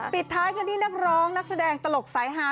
ปิดท้ายกันที่นักร้องนักแสดงตลกสายฮา